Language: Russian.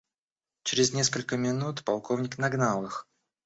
Чрез несколько минут полковник нагнал их.